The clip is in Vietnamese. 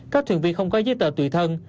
các thuyền viên không có giấy tờ tùy thân